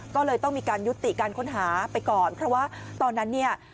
ก็เลยต้องมีการยุติการค้นหาไปก่อนเพราะว่าตอนนั้นเนี่ย